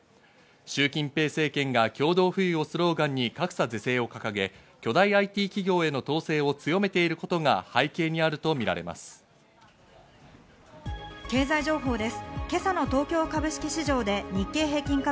シュウ・キンペイ政権が共同富裕をスローガンに格差是正を掲げ、巨大ＩＴ企業への統制を強めていることが背景にあるとみられます。